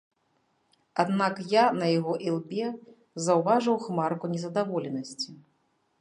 Аднак я на яго ілбе заўважыў хмарку незадаволенасці.